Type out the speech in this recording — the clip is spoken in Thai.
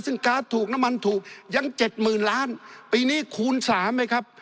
ซึ่งการ์ดถูกน้ำมันถูกยังเจ็ดหมื่นล้านปีนี้คูณสามไหมครับ